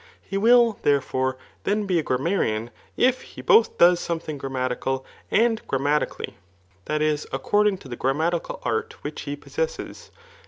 He iriH^ Aerefore, then be a grammarian if he boA does sonedfing grammatical and grammatically, that is, accord ing'to the grammatical art which he possesses.